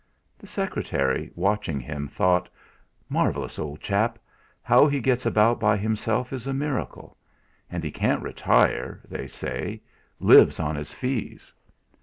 The secretary, watching him, thought: 'Marvellous old chap! How he gets about by himself is a miracle! And he can't retire, they say lives on his fees!'